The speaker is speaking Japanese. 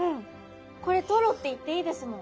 これトロって言っていいですもん。